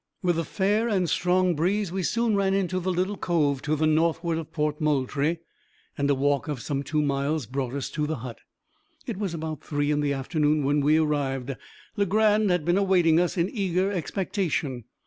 With a fair and strong breeze we soon ran into the little cove to the northward of Port Moultrie, and a walk of some two miles brought us to the hut. It was about three in the afternoon when we arrived. Legrand had been awaiting us in eager expectation.